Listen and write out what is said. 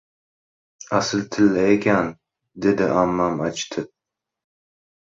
— Asil tilla ekan! — dedi ammam achitib.